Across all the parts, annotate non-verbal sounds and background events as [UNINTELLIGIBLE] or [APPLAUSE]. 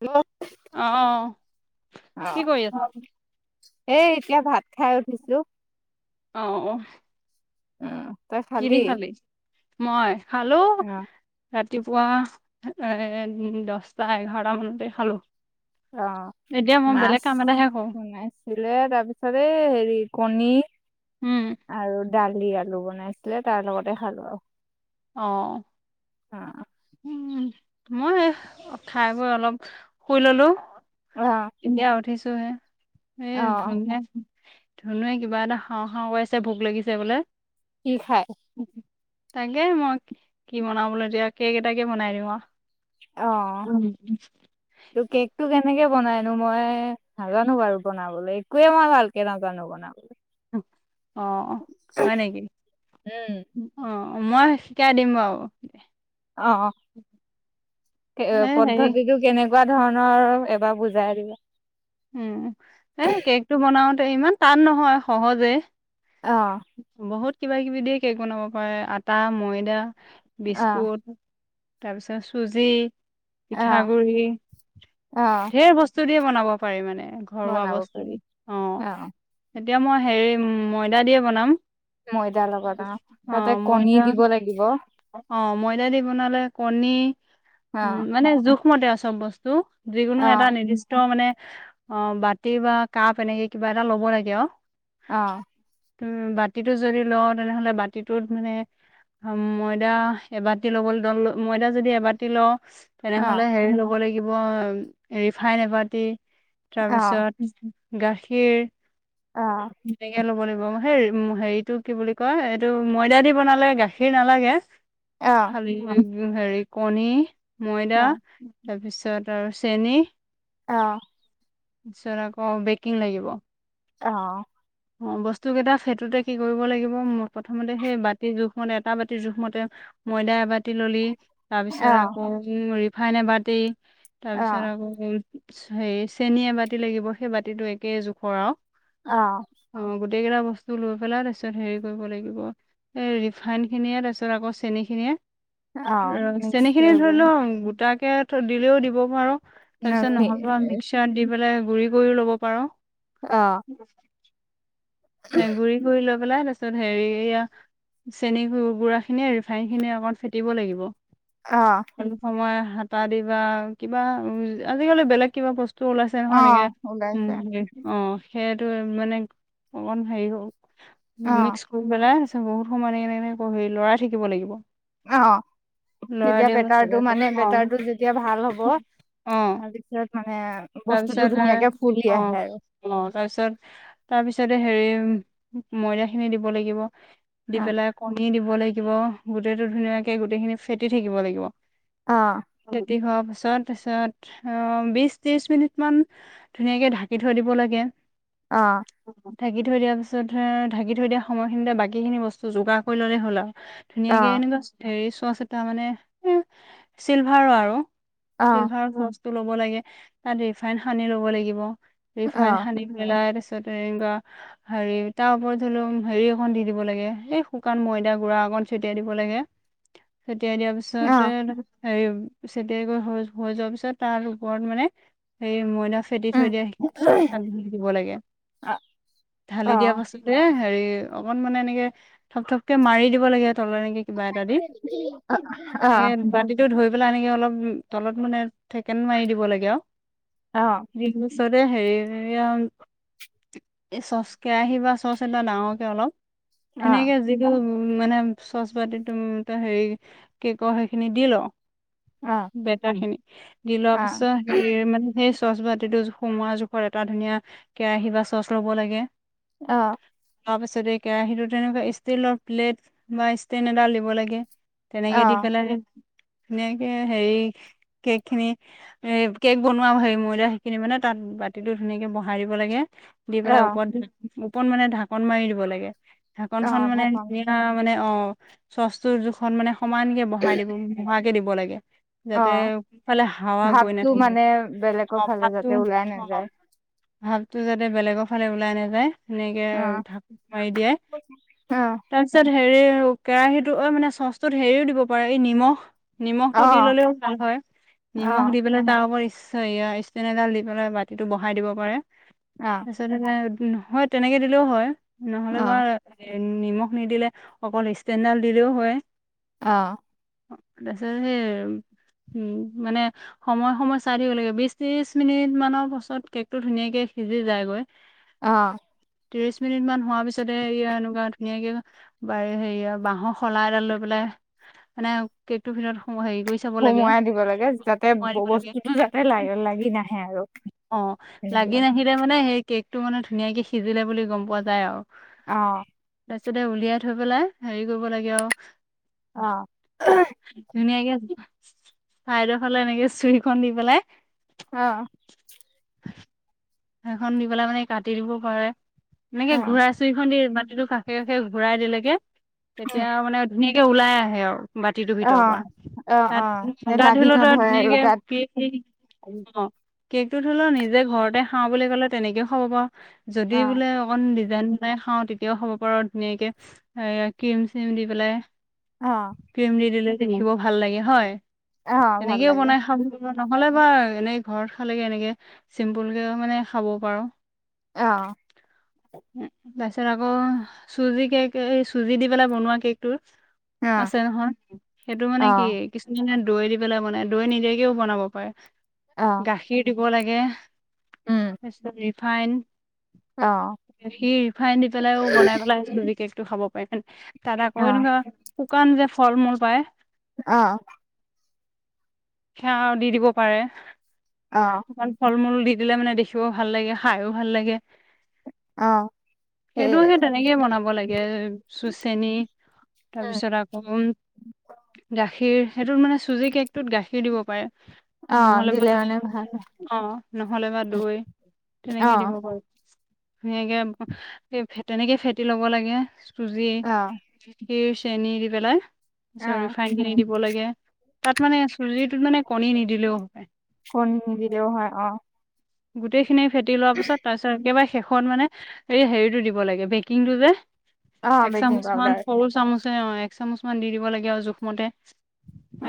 Hello অহ কি অ' কৰি আছ? এই এতিয়া ভাত খাই উঠিছো। আহ অ। উম। তই কি দি খালি মই খালো। অ' ৰাতিপুৱা দচটা এঘাৰটা মানতে খালোঁ। অ' মাছ এটাহে কৰো শুনাইছিলে তাৰপিছতে এই হেৰি কণী। উম আৰু দালি আলু বনাইছো। আছিলে তাৰ লগতে ভাল আৰু। অ'। অ' উম মই খাই বৈ অলপ শুই ললো। অ' এতিয়া উঠিছো ত হে [UNINTELLIGIBLE] এই ধুম অ' হে। ধুনুৱে কিবা এটা হাওঁ খাও কৰিছে ভোক লাগিছে বোলে। কি খায়। তাকে মই কি বনাবলৈ এতিয়া কেক এটাকে বনাই দিওঁ আৰু। অ ত কেকটো কে। তেনেকে বনাইনো মই নাজানো বাৰু বনাবলৈ একোৱয়ে মই ভালকে নাজানো বনাবলৈ। অ হয় নেকি উম অ। অ মই শিকাই দিম বাৰু। অ অ এ পদ্ধতিটো কেনেকুৱা ধৰণৰ। নৰ আৰু এবাৰ বুজাই দিবা। উম হে কেকটো বনাও। ইমান টান নহয় সহজে। অ। বহুত কিবা কিবি দিয়ে কেক বনাব পাৰে আটা, ময়দা। অ' বিস্কুট। তাৰপিছত চুজি। অ' পিঠাগুৰি অ' ধেৰ বস্তু দিয়ে। বনাব পাৰি মানে। ঘৰুৱা বনাব বস্তু পাৰি দি অ। এতিয়া মই হেৰি ময়দা দিয়ে। বনাম। ময়দাৰ লগত অ তাতে কণী ময়দা দিব লাগিব অ অ ময়দা দি বনালে কণী উম মানে জোখ। মতে চব বস্তু। যিকোনো অ এটা নিৰ্দিষ্ট মানে। অ বাতি বা কাপ এনেকে কিবা এটা ল'ব লাগে আৰু। অ। উম বাতিটো যদি লওঁ তেনেহ'লে বাতিটোত মানে ময়দা এবাতি ল'বলৈ ময়দা যদি এবাতি লও। অ তেনেহলে হেৰি ল'ব লাগিব। লাগিব ৰিফাইন এবাতি। অ তাৰপিছত। গাখীৰ। অ সেনেকে লব লাগিব। হে হেৰিটো কি বুলি কৈ এইটো ময়দা দি বনালে গাখীৰ নালাগে। অ হাল হেৰি কণী। ময়দা অ অ তাৰপিছত। তাৰ তাৰপিছত চেনী। অহ। তাৰপিছত আকৌ বেকিং লাগিব। অ। অ বস্তু কেইটা সেইটোতে কি কৰিব লাগিব প্ৰথমতে সেই বাতিৰ জোখমতে এটা বাতিৰ জোখমতে ময়দা এবাতি। কুতি ললি তাৰ অ অ পিছত আকৌ। ফাইন এবাতি তাপিছত আকৌ হেৰি চেনী এবাতি লাগিব, সেই বাতিটো একেই জোখৰ আৰু। অঁহ। অ' গোটেই কেইটা বস্তু লৈ পেলাই তাৰপিছত হেৰি কৰিব লাগিব, এই ৰিফাইন খিনিয়ে তাৰপিছত আকৌ চেনিখিনিয়ে অ' মিক্স চেনী খিনি কৰিব ধৰি লও গোটাকে দিলেও দিব পাৰ তাৰ পিছত নহ'বা, মিক্সাৰ দি বলে [UNINTELLIGIBLE] গুৰি কৰিও ল'ব পাৰো। অ উম [INAUDIBLE] নে গুৰি কৰি ল পেলাই, তাৰ পিছত হেৰি ইয়া চেনী গ গুৰা খিনিয়ে ৰিফাইন খিনিয়ে অকন ফেটিব লাগিব। অ সময় হাতা দি বা, কিবা আজিকালি বেলেগ কিবা বস্তু টোল আছে নহয় অ এনেকে, ওলাইছে উম' অঁ সেইটো মানে অকন হেৰি হল অ মিক্স কৰি পেলাই বহুত সময় এনেকে'কে'কে হে লৰাই থাকিব লাগিব। অঁ লৰাই তেতিয়া দিয়া পাছত বেটাৰটো মানে অ' বেটাৰটো যেতিয়া ভাল হ'ব, অ' তাৰপিছত মানে, বস্তুটো তাৰপিছত ধুনীয়াকে ফুলি অ' আহে আৰু। তে হেৰি ময়দা খিনি দিব লাগিব দি অ পেলাই কণী দিব ব লাগিব, গোটেইটো ধুনীয়াকৈ, গোটেইখিনি ফেটি থাকিব লাগিব। অ যদি হোৱা ছত পিছত অ' বিশ ত্ৰিশ মিনিট মান ধুনীয়াকে ঢাকি থৈ দিব লাগে অঁ। থঢাকি থৈ দিয়াৰ পিছত ঢাকি থৈ দিয়া সময়খিনিতে বাকীখিনি বস্তু যোগাৰ কৰি ললে হ'ল আৰু। ধুনীয়াকে এনেকুৱা হে চোৱাচিতা মানে এ' চিলভাৰো আৰু অ ফিলভাৰ টো ল'ব লাগে, তাত ৰিফাইন সানি ল'ব লাগিব অ ৰিফাইন হানি পেলাই এনেকুৱা হেৰি, তাৰ ওপৰত ধৰি লও হেৰি অক দি দিব লাগে, সেই শুকান ময়দা গুৰাা অকন ছটিয়াই দিব লাগে অ ততিয়াাৰ [UNINTELLIGIBLE] হেৰি চেটিয়াই গৈ হৈ হৈ যোৱাৰ পিছত তাৰ ওপৰত মানে হে ময়দা। ফেটি উম থৈ দিয়া সেইখিনি [UNINTELLIGIBLE] দিব লাগে ঢালি অ দিয়া পাছতে হেৰি অকন মানে এনেকে থপথপকে মাৰি দিব লাগে তলৰ নেকি। কিবা এটা দি এনে বতিটো ধৰি পেলাই এনেকে অলপ তলত মানে থেকেন মাৰি দিব লাগে আৰু। বিহু ওচৰত এ হেৰি এই চচ কেৰাহী বা চচ এটা ডাঙৰকে অলপ। ধুনীয়াকে যি গুল উ মানে চচ পাতি ত হেৰি কেকৰ সেইখিনি দি ল। বেটা খিনি দি লোৱা পিছত হে মানে সেই চচ বাতিটো সোমোৱা জোখত এটা ধুনীয়া কেৰাহী বা। চচ ল ব' লাগে। অ ' তাৰ পিছতে এই কেৰাহীটো তেনেকুৱা ষ্টীলৰ প্লেট বা ষ্টেন এডটা দিব লাগে। তেনেকে দি পেলাই। ধুনীয়াকে হেৰি কেক খিনি এ কেক বনোৱাাম হেৰি ময়দা সেইখিনি মানে তাত বাতিটো ধুনীয়াকে বহাই দিব লাগে দি পেলই ওপৰত ধ ওপৰত মানে ঢাকন মাৰি দিব লাগে ঢাকনখন মানে ঢাকন ধুনীয়া মানে অ' চচটোৰ জোখত মানে সমানকে বঢহাই দিব ব। দিব লাগে। অ যাতে সোনফালে হাৱা গৈ ভাৱটো নাথাকিব মানে বেলেগৰ ফালে যাতে ওলাই ভ নাযায় ভাৱটো যাতে। বেলেগৰ ফালে ওলাই নাযায়। সেনেকে অ ঢাকোন মাৰি দিয়াই তাৰপিছত হেৰি। আৰু কেৰাহীতো অ' মানে চচতোত হেৰিও দিব পাৰে এই নিমখ অ নিমখতটো দি ললেও ভাল হয় অ নিমখ দি পেলাই [UNINTELLIGIBLE] [UNINTELLIGIBLE] ষ্টেন এডাল দি পেলাই বাতিতো বহাই দিব পাৰে। অ [UNINTELLIGIBLE] নহয় তেনেকে দিলেও হয়। নহ'লে অ মাৰ নিমখ নিদিলে অকল ষ্টেণ্ডাল দিলেও হয়। অ'। তাৰপিছত সেই উম মানে সময়ে সময়ে চাই থাকিব লাগে বিশ ত্ৰিশ মিনিট মানৰ পাছত কেক টো ধুনীয়াকে সিজি যায়গৈ। অ। ত্ৰিশ মিনিট মান হোৱাৰ পিছতে এয়া এনেকুৱা ধুনীয়াকে বাৰে হেৰিয়ে বাঁহৰ শলা এডাল লৈ পেলাই মানে কেকটোৰ ভিতৰত সুমুৱাই হেৰি কৰি চাব লাগে সোমোৱাই দিব লাগে যাতে সোমোৱাই দিব বস্তুটো যাতে লাগে লা-লাগি-লাগি নাহে আৰু অ', লাগি নাহিলে মানে কেকটো মানে ধুনীয়াকে সিজিলে বুলি গম পোৱা যায় আৰু। অ'। তাৰপিছতে উলিয়াই থৈ পেলাই হেৰি কৰিব লাগে আৰু অ ধুনীয়াকে চাইদৰ ফালে এনেকে চুৰিখন নি পেলাই অ। [INAUDIBLE] সেইখন নি পেলাই মানে কাটি দিব পাৰে। এনেকে অ ঘূৰাই চুৰি খন দি মান টো কাষে কাষে ঘূৰাই দিলেগে। তেতিয়া মানে ধুনীয়াকে ওলাই আহে আৰু। বাতিটোৰ অ ভিতৰৰ পৰা অ তাত অ [UNINTELLIGIBLE] লাগি নধৰে আৰু ধুনীয়াকে তাত [UNINTELLIGIBLE] অ' কেক টো ধৰি ল নিজে ঘৰতে খাওঁ বুলি ক'লে তেনেকেও খাব পাৰ যদি অ বোলে অকণ দিজাইন বনাই খাওঁ তেতিয়াও খাব পাৰ ধুনীয়াকে এ ক্ৰীম চিম দি পেলাই। অ ক্ৰিম দি দিলে দেখিব ভাল লাগে হয়। অ ভাল তেনেকেও লাগে বনাই নহ'লে বা এনেই ঘৰত খালেগে এনেকে চিম্পুল কেও মানে খাব পাৰ। অ। তাৰ পিছত আকৌ চুজি কেক এই চুজি দি পেলাই বনোৱা কেকতো অ', আছে নহয় সেইটো মানে কি অ', কিছুমানে দৈ দি পেলাই বনাই দৈ নিদিয়াকেও বনাব পাৰে। অ', গাখীৰ দি দিব‌ লাগে। উম, [INAUDIBLE] ফাইন অ', সি ৰিফাইন দি পেলাইও বনাই পেলাই চুজি কেকটো তো খাব পাৰে তাত আকৌ অ', এনেকোৱা শুকান যে ফল মূল পায়। অঁ। সেয়া দি দিব পাৰে। অ', শুকান ফল মূল দি দিলে মানে দেখিবও ভাল লাগে খায়ো ভাল লাগে। অ', এ সেইটো সেই তেনেকেই বনাব লাগে চু চেনি তাৰপিছত আকৌ গাখীৰ। সেইটোত মানে চুজি কেকটোত গাখীৰ দিব পাৰে। অ', নহ'লে বা দিলে মানে ভাল হয়। অ' নহ'লে বা উম, দৈ তেনেকে দিব অ', পাৰে। ধুনীয়াকে তেনেকে ফেটি লব লাগে। চুজি অ', চুজি চেনী দি পেলাই অ', ৰিফাইন খিনি দিব লাগে। তাত মানে চুজি মানে কণী নিদিলেও হয়। কণ দিলেও হয় অ', গোটেই খিনি ফেটি লোৱাৰ পাছত তাৰ পিছত একেবাৰে শেষত মানে এই হেৰিতটো দিব লাগে বেকিংটো যে। অ', এক বেকিং চামুচমান পাউদাৰ সৰু চামুচ অ'এক চামুচ মান দি দিব লাগে আৰু জোখমতে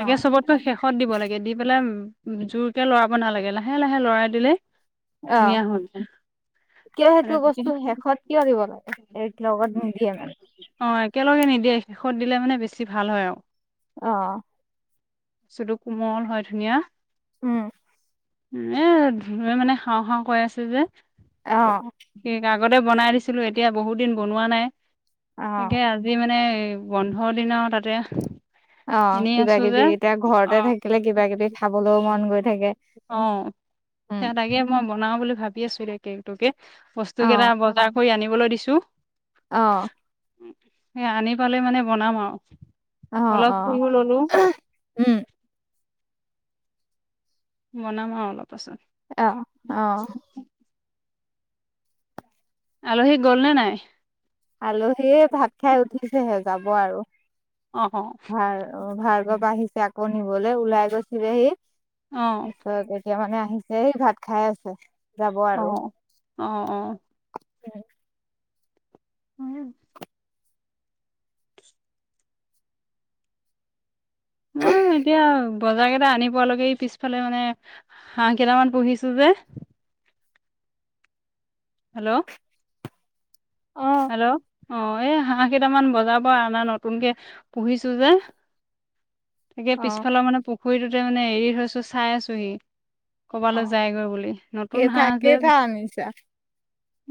একে চবতকৈ শেষত দিব লাগে। দি পেলে জোৰকে লৰাব নালাগে লাহে লাহে লৰাই দিলে অ' ধুনীয়া হৈ যায় কিয় সেইটো মানে বস্তু তেতিয়া শেষত কিয় দিব লাগে এক লগত নিদিয়ে মানে অ' একেলগে নিদিয়ে, শেষত দিলে মানে বেছি ভাল হয় আৰু। অ'। বস্তুটো কোমল হয়, ধুনীয়া। উম। উম। এও মানে খাওঁ, খাওঁ কৈ আছে যে। অ'। আগতে বনাই দিছিলো, এতিয়া বহুত দিন বনোৱা নাই। অ', তাকে আজি মানে। বন্ধৰ দিন আৰু তাতে। অ, এনেই কিবা, আছো যে কিবি এতিয়া অ ঘৰতে থাকিলে কিবা, কিবি খাবলৈও মন গৈ থাকে। সে, উম, তাগে মই বনাওঁ। অ, বুলি ভাবি আছো কেকটোকে। বস্তু কেইটা বজাৰ কৰি আনি। বলৈ দিছো। অহ। সেই আনি পালে মানে বনাম আৰু। অ', হল, অ', সকলোবোৰ ললো। উম, বনাম আৰু অলপ। অ', অ', পাছত। আলহিক গ'ল নে, নাই। আলহিয়ে ভাত খাই উঠিছেহে, যাব আৰু। অ ভা-ভাৰ্গৱ আহিছে আকৌ। নিবলৈ ওলাই গৈছিলেহি। অ [INAUDIBLE] এতিয়া মানে আহিছে, এই ভাত খাই আছে। যাব অ, অ, অ। উম। হম। অ, এতিয়া। বজাৰ কেইটা আনি পোৱালৈকে, পিছফালে মানে হাঁহ কেইটামান পুহিছো যে। হেল্ল'? অ হেল্ল' অ, এই হাঁহ কেইটামান বজাৰৰ পৰা অআনা নতুনকে পুহিছো যে। তাকে অ পিছফালৰ মানে পুখুৰীটোতে মানে এৰি থৈছো। চাই, আছোহি। অ কৰবালৈ যায়গৈ বুলি নতুন কেইটা হাঁহ, যে। কেইটা আনিছা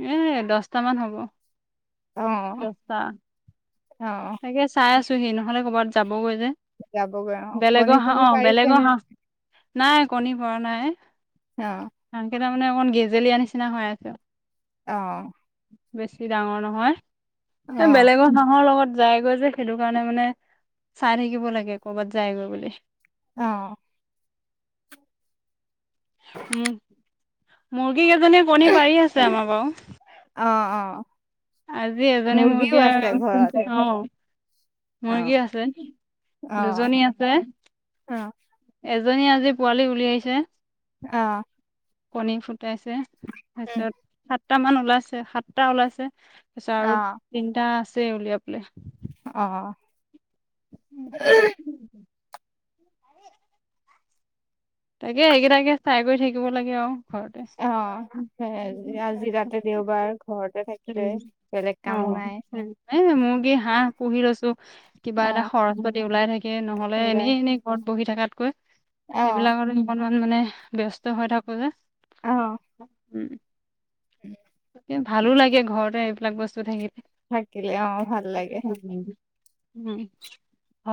এ দচটা মান হ'ব। অ দচটা। অ তাকে চাই আছো। সেই নহ'লে কবাত যাব। হৈ যে যাবগৈ অ কণী বেলেগৰ হাঁহ, চণী অ পাৰিছে বেলেগৰ নে হাঁহ। নাই কণী পৰা নাই। অ। হাঁহ মানে অকণ গেজেলীয়া নিচিনা হৈ আছে। অহ', বেছি ডাঙৰ নহয়। এ বেলেগৰ হাহৰ লগত। যাইগৈ যে সেইটো কাৰণে মানে চাই থাকিব লাগে কৰ'বাত যায়গৈ বুলি। অহ ', উম, মোৰ সি এজনে কণী পাৰি আছে আমাৰ বাৰু। [INAUDIBLE] অহ - অহ আজি এজনী ঘৰত মুৰ্গীয়ে অ মুৰ্গী আছে অ দুজনী আছে অ এজন জনীয়ে আজি পোৱালি উলিয়াইছে। অহ', কণী ফু ফুটাইছে তাৰপিছত সাতটা মান ওলাইছে সাতটা ওলাইছে। তাৰপিছত আৰু তিনিটা আছে উলিয়াবলে। অহ ', [UNINTELLIGIBLE] তাকে সেইকেইটাকে চাই কৰি থাকিব লাগে আৰু। ঘৰতে অহ 'আজি তাতে দেওবাৰ ঘৰতে থাকে অহ' এ মুৰ্গী, হাঁহ পুহি লৈছো অ কিবা এটা খৰচ পাতি ওলাই থাকে নহলে ওলাই এনেই - এনেই ঘৰত বহি থাকাতকৈ অ সেইবিলাকৰ ইমান মানে ব্যস্ত হৈ থাকো যে। [INAUDIBLE] উম। উম। ভালো লাগে ঘৰতে এইবিলাক বস্তু থাকিলে। থাকিলে অহ ভাল লাগে। উম,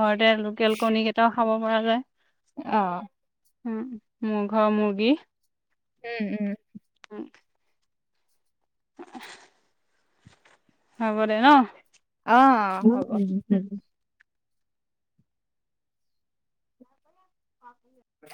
ঘৰতে লোকেল কণী কেইটাও খাব পৰা যায়। অহ ', উম, মোৰ ঘৰৰ মুৰ্গী উম- উম। উম। [INAUDIBLE] হবদে ন অঁ উম হব। উম। [INAUDIBLE]